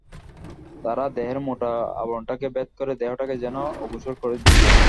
তারা দেহের মোটা আবরণটাকে ভেদ করে দেহটাকে যেন অগোচর করে দিচ্ছে।